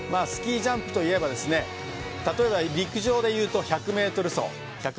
スキージャンプといえば例えば、陸上でいうと１００ｍ走。